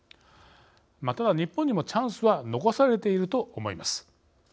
ただ、日本にもチャンスは残されていると思います。